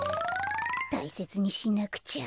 たいせつにしなくちゃ。